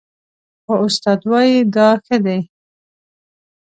خو استاد وايي دا ښه دي